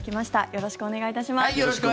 よろしくお願いします。